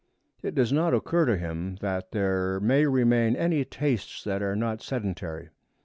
It does not occur to him that there may remain any tastes that are not sedentary.